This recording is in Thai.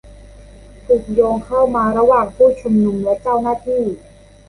ถูกโยนเข้ามาระหว่างผู้ชุมนุมและเจ้าหน้าที่